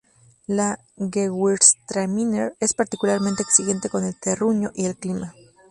La gewürztraminer es particularmente exigente con el terruño y el clima.